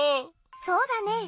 そうだねえ。